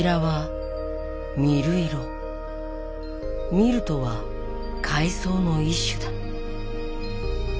海松とは海藻の一種だ。